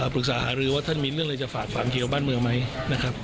ปรึกษาหารือว่าท่านมีเรื่องอะไรจะฝากฝังเกี่ยวบ้านเมืองไหมนะครับ